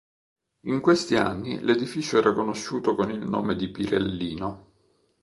In questi anni l'edificio era conosciuto con il nome di "Pirellino".